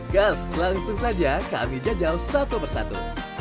gas langsung saja kami jajal satu persatu